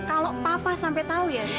kalau papa sampai tahu ya